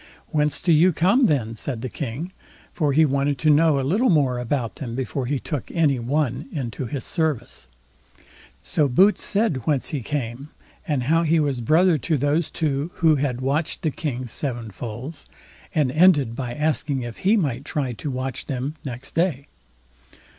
"Whence do you come then?" said the King, for he wanted to know a little more about them before he took any one into his service. So Boots said whence he came, and how he was brother to those two who had watched the king's seven foals, and ended by asking if he might try to watch them next day.